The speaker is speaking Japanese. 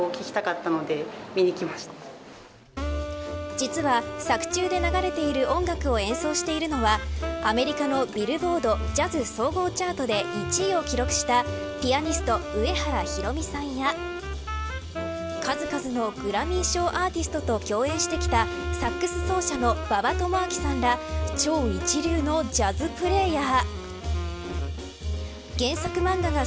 実は、作中で流れている音楽を演奏しているのはアメリカのビルボード・ジャズ総合チャートで１位を記録したピアニスト上原ひろみさんや数々のグラミー賞アーティストと共演してきたサックス奏者の馬場智章さんら超一流のジャズプレーヤー。